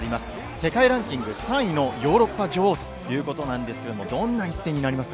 世界ランキング３位のヨーロッパ女王ということなんですけれども、そうですね。